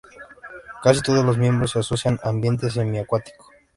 Casi todos los miembros se asocian a ambientes semiacuáticos.